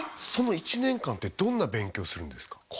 その１年間ってどんな勉強をするんですか？